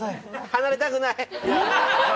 離れたくない。